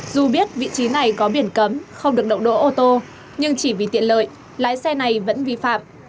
dù biết vị trí này có biển cấm không được đậu đỗ ô tô nhưng chỉ vì tiện lợi lái xe này vẫn vi phạm